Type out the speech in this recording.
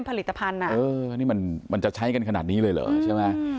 ผลิตภัณฑ์นี่มันจะใช้กันขนาดนี้เลยเหรอใช่ไหม